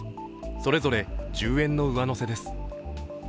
それぞれ１０円の上乗せです。